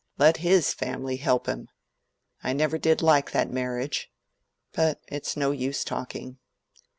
Let his family help him. I never did like that marriage. But it's no use talking.